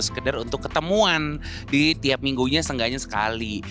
sekedar untuk ketemuan di tiap minggunya seenggaknya sekali